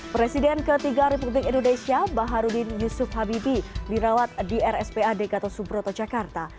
presiden ketiga republik indonesia baharudin yusuf habibi dirawat di rspad gatot subroto jakarta